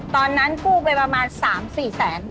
ตอนนั้นกู้ไปประมาณ๓๔แสน